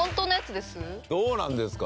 どうなんですか？